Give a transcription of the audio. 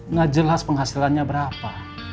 nggak jelas penghasilannya berapa